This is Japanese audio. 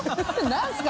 何ですか？